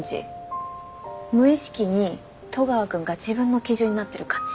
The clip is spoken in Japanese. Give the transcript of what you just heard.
無意識に戸川君が自分の基準になってる感じ。